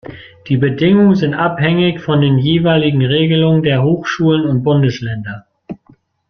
Die Bedingungen sind abhängig von den jeweiligen Regelungen der Hochschulen und Bundesländer.